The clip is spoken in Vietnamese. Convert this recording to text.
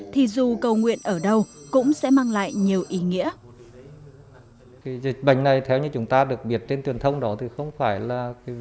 thì dù cầu nguyện ở đâu cũng sẽ mang lại nhiều ý nghĩa